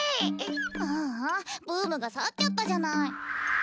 ああブームがさっちゃったじゃない。